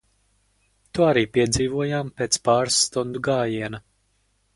To arī piedzīvojām pēc pāris stundu gājiena.